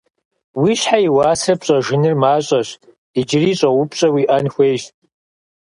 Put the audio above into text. Уи щхьэ и уасэр пщӏэжыныр мащӏэщ - иджыри щӏэупщӏэ уиӏэн хуейщ.